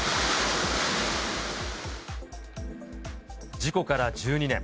事故から１２年。